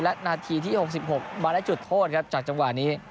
และนาทีที่๖๖มาได้จุดโทษครับจากจังหวะนี้